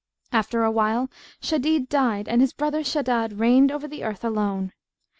After awhile Shadid died and his brother Shaddad reigned over the earth alone.